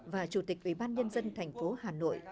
và chủ tịch ủy ban nhân dân thành phố hà nội